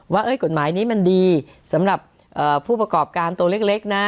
ว่ากฎหมายนี้มันดีสำหรับผู้ประกอบการตัวเล็กนะ